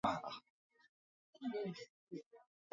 nia ambapo waislamu walikuwepo muda mrefu